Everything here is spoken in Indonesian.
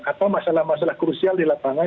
atau masalah masalah krusial di lapangan